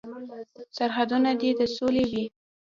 سرحدونه دې د سولې وي.